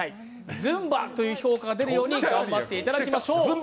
ＺＵＭＢＡという評価が出るように頑張っていただきましょう。